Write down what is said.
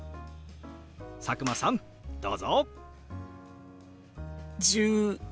佐久間さんどうぞ！１１。